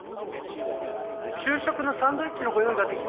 昼食のサンドイッチのご用意ができました。